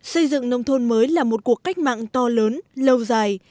xây dựng nông thôn mới là một cuộc cách mạng to lớn lâu dài